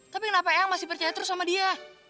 tapi kenapa eyang masih percaya terus sama dia